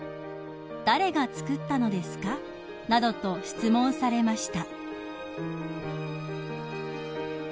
「誰が作ったのですか？」などと質問されました］